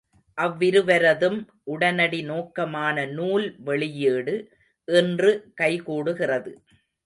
அவ்விருவரதும் உடனடி நோக்கமான நூல் வெளியீடு இன்று கைகூடுகிறது.